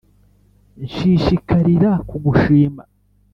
nshishikarira kugushima